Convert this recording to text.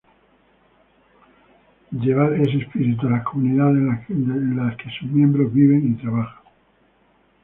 Llevar ese espíritu a las comunidades en las que sus miembros viven y trabajan.